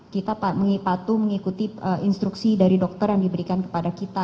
kita patuh mengikuti instruksi dari dokter yang diberikan kepada kita